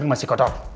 sampai masih kotor